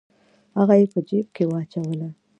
هغه یې په جیب کې واچوله.